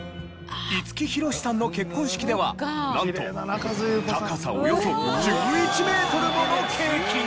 五木ひろしさんの結婚式ではなんと高さおよそ１１メートルものケーキが。